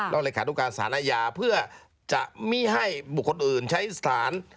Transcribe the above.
เลขานุการศาลอาญาเพื่อจะไม่ให้บุคคลอื่นใช้สถาน